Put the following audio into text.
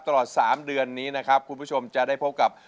ตลอด๓เดือนนี้นะครับคุณผู้ชมจะได้พบกับ